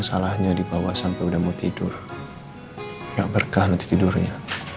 kayaknya gak mungkin deh mama cetera